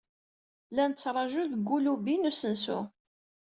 La nettṛaju deg ulubi n usensu.